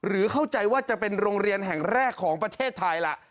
เข้าใจว่าจะเป็นโรงเรียนแห่งแรกของประเทศไทยล่ะ